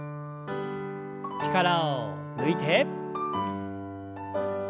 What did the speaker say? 力を抜いて。